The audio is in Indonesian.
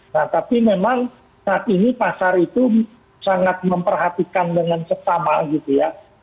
nah tapi memang saat ini pasar itu sangat memperhatikan dengan sesama gitu ya